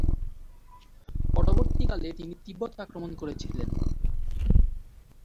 পরবর্তীকালে তিনি তিব্বত আক্রমণ করেছিলেন।